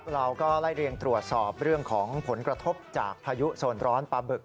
เราก็ไล่เรียงตรวจสอบเรื่องของผลกระทบจากพายุโซนร้อนปลาบึก